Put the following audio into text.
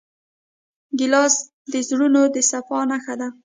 ګیلاس د زړونو د صفا نښه ده.